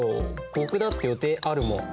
僕だって予定あるもん。